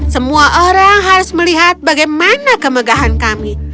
semua orang harus melihat bagaimana kemegahan kami